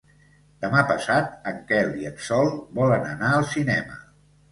Demà passat en Quel i en Sol volen anar al cinema.